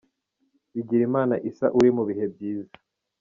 Bigirimana Issa uri mu bihe byiza.